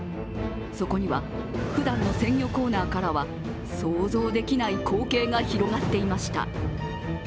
そこには、ふだんの鮮魚コーナーからは想像できない光景が広がっていました。